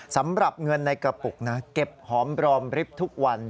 สำหรับเงินในกระปุกนะเก็บหอมรอมริบทุกวัน